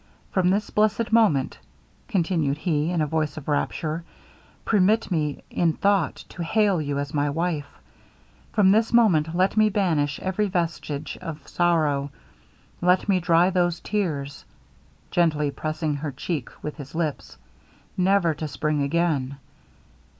From this blessed moment,' continued he, in a voice of rapture, 'permit me, in thought, to hail you as my wife. From this moment let me banish every vestige of sorrow; let me dry those tears,' gently pressing her cheek with his lips, 'never to spring again.'